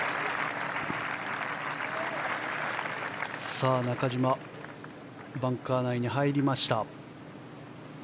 さあ、中島バンカー内に入りました。